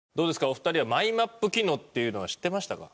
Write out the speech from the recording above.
お二人はマイマップ機能っていうのは知ってましたか？